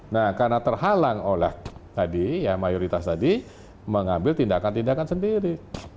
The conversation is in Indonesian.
nah karena terhalang oleh tadi ya mayoritas tadi mengambil tindakan tindakan sendiri